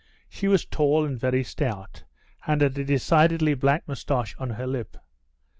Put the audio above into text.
She was tall and very stout, and had a decided black moustache on her lip.